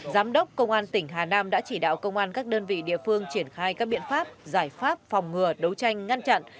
giám đốc công an tỉnh hà nam đã chỉ đạo công an các đơn vị địa phương triển khai các biện pháp giải pháp phòng ngừa đấu tranh ngăn chặn